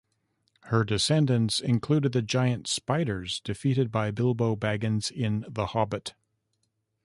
Her descendants include the Giant Spiders defeated by Bilbo Baggins in "The Hobbit".